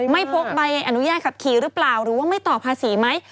พกใบอนุญาตขับขี่หรือเปล่าหรือว่าไม่ต่อภาษีไหม